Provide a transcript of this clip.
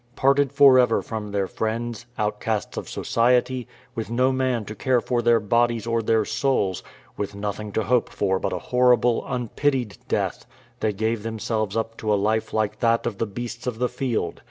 Parted for ever from their friends, outcasts of society, with no man to care for their bodies or their souls, with nothing to hope for but a horrible unpitied death, they gave themselves up to a life like that of the beasts of the field.